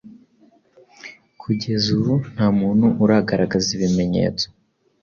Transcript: Kugeza ubu nta muntu uragaragaza ibimenyetso